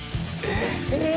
えっ！